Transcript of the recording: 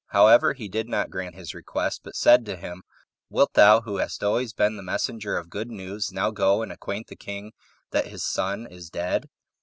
However, he did not grant his request, but said to him, "Wilt thou, who hast always been the messenger of good news, now go and acquaint the king that his son is dead?"